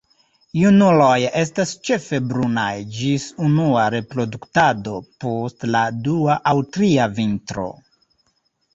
Junuloj estas ĉefe brunaj ĝis unua reproduktado post la dua aŭ tria vintro.